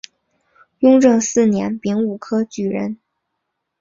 雍正四年丙午科举人。